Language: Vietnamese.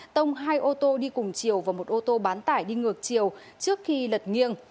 tông hai ô tô đi cùng chiều và một ô tô bán tải đi ngược chiều trước khi lật nghiêng